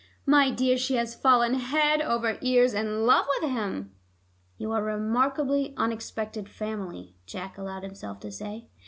"My dear, she has fallen head over ears in love with him." "You are a remarkably unexpected family," Jack allowed himself to say.